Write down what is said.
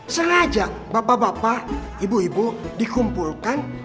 sengaja bapak bapak ibu ibu dikumpulkan